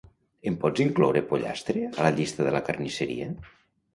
Em pots incloure pollastre a la llista de la carnisseria?